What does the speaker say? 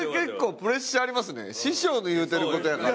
師匠の言うてる事やから。